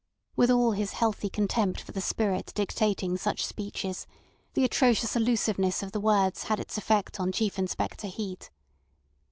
With all his healthy contempt for the spirit dictating such speeches, the atrocious allusiveness of the words had its effect on Chief Inspector Heat.